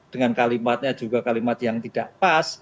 dengan kalimatnya juga kalimat yang tidak pas